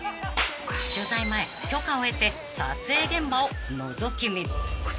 ［取材前許可を得て撮影現場をのぞき見］